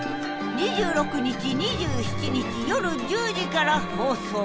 ２６日２７日夜１０時から放送。